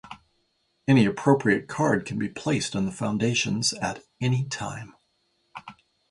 Any appropriate card can be placed on the foundations at any time.